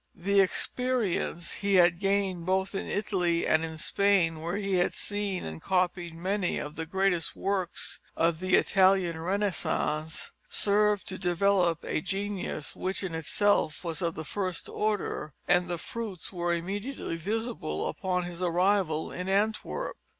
The experience he had gained both in Italy and in Spain, where he had seen and copied many of the greatest works of the Italian Renaissance, served to develop a genius which in itself was of the first order, and the fruits were immediately visible upon his arrival in Antwerp.